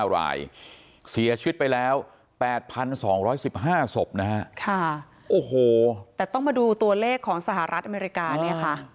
รายเสียชีวิตไปแล้ว๘๒๑๕ศพนะฮะโอ้โหแต่ต้องมาดูตัวเลขของสหรัฐอเมริกาเนี่ยค่ะ